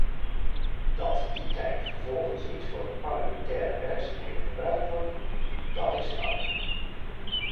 Dat die tijd vervolgens niet voor parlementaire werkzaamheden gebruikt wordt, dat is fout.